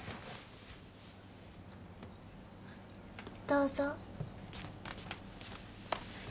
どうぞ。